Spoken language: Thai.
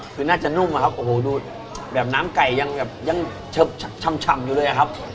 คือน่าจะนุ่มอะครับโอ้โหดูแบบน้ำไก่ยังแบบยังเชิบฉ่ำอยู่เลยอะครับ